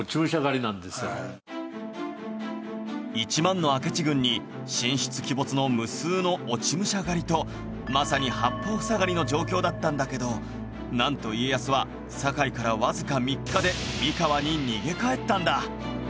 １万の明智軍に神出鬼没の無数の落武者狩りとまさに八方塞がりの状況だったんだけどなんと家康は堺からわずか３日で三河に逃げ帰ったんだ